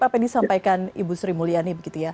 apa yang disampaikan ibu sri mulyani